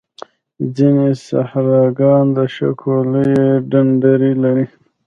ځینې صحراګان د شګو لویې ډنډرې لري.